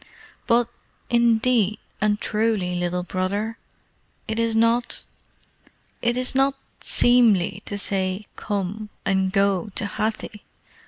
"But, indeed, and truly, Little Brother, it is not it is not seemly to say 'Come,' and 'Go,' to Hathi.